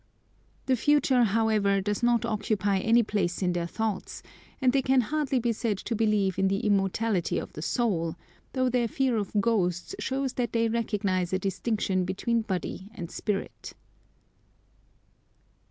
The future, however, does not occupy any place in their thoughts, and they can hardly be said to believe in the immortality of the soul, though their fear of ghosts shows that they recognise a distinction between body and spirit.